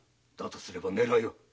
とすれば狙いは？